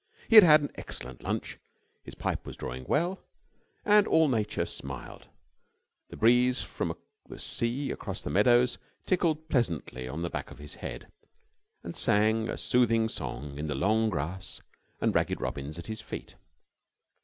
He had had an excellent lunch; his pipe was drawing well, and all Nature smiled. The breeze from the sea across the meadows, tickled pleasantly the back of his head, and sang a soothing song in the long grass and ragged robins at his feet.